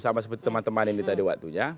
sama seperti teman teman ini tadi waktunya